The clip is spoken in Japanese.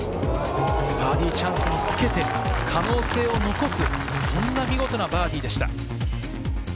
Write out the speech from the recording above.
バーディーチャンスにつけて可能性を残すそんな見事なバーディーでした。